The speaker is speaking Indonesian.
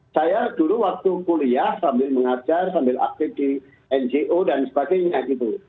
saya dulu waktu kuliah sambil mengajar sambil aktif di ngo dan sebagainya gitu